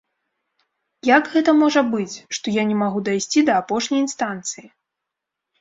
Як гэта можа быць, што я не магу дайсці да апошняй інстанцыі?